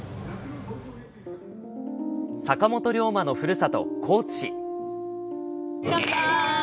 坂本龍馬のふるさと、高知市。